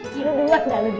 dia udah lama lama sama uya